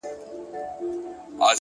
د احساساتو توازن د عقل ځواک زیاتوي,